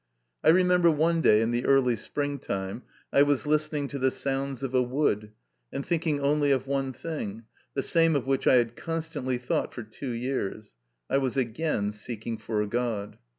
I remember one day in the early spring time I was listening to the sounds of a wood, and thinking only of one thing, the same of which I had constantly thought for two years I was again seeking for a God.